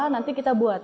nanti kita buat